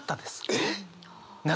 えっ？